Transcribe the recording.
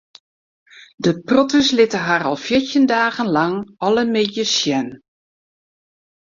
De protters litte har no al fjirtjin dagen lang alle middeis sjen.